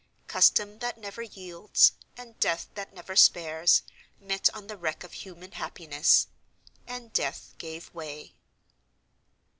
Custom that never yields, and Death that never spares, met on the wreck of human happiness—and Death gave way.